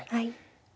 はい。